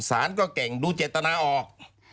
สารก็เก่งดูเจตนาออก